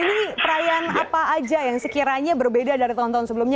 ini perayaan apa aja yang sekiranya berbeda dari tahun tahun sebelumnya